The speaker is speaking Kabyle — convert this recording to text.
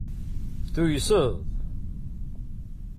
Tuyseḍ.